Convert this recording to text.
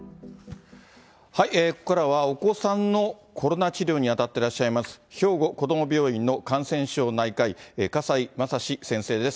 ここからは、お子さんのコロナ治療に当たってらっしゃいます、兵庫こども病院の感染症内科医、笠井正志先生です。